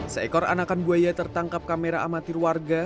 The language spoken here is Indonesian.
seekor anakan buaya tertangkap kamera amatir warga